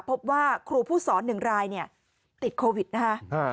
พบว่าครูผู้สอน๑รายเนี่ยติดโควิดนะคะ